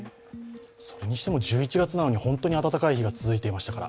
それにしても１１月なのに本当に暖かい日が続いていました。